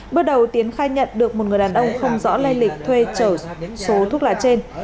bước đầu tiến khai nhận được một người đàn ông không rõ lây lịch thuê trở số thuốc lá trên